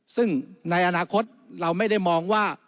ซึ่งในอนาคตเราไม่ได้มองว่า